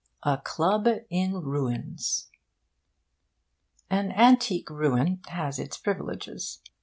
A CLUB IN RUINS An antique ruin has its privileges.